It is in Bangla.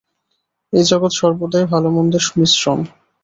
এই জগৎ সর্বদাই ভাল-মন্দের মিশ্রণ।